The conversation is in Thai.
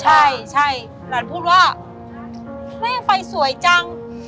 ใช่ใช่หลานพูดว่าแม่ไปสวยจัง